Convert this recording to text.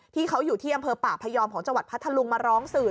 ที่เขาอยู่ที่อำเภอป่าพยอมของจังหวัดพัทธลุงมาร้องสื่อ